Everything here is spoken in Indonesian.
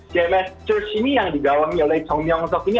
jms church ini yang digawami oleh chong myong sok ini